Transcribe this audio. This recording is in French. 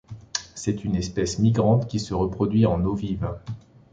C'est une espèce migrante qui se reproduit en eaux vive.